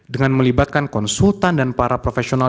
dengan melibatkan konsultan dan para profesional